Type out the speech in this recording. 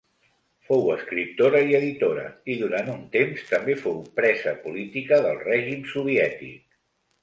Fou escriptora i editora i durant un temps també fou presa política del règim soviètic.